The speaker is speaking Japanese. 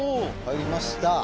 入りました。